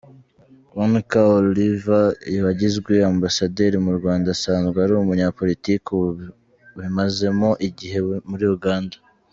Wonekha Oliver wagizwe Ambasaderi mu Rwanda asanzwe ari umunyapolitiki ubimazemo igihe muri Uganda.